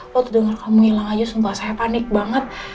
waktu dengar kamu hilang aja sumpah saya panik banget